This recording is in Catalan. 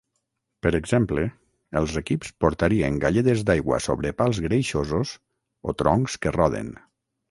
Per exemple, els equips portarien galledes d'aigua sobre pals greixosos o troncs que roden.